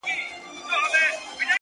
خیال دي،